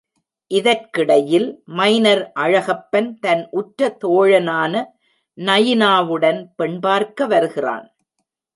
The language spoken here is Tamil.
இதற்கிடையில், மைனர் அழகப்பன் தன் உற்ற தோழனான நயினாவுடன் பெண்பார்க்க வருகிறான்.